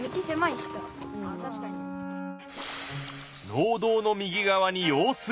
農道の右側に用水路が！